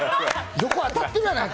横、当たってるやないか！